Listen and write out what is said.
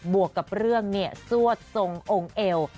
บวกกับเรื่องเนี่ยสวดทรงองค์เอว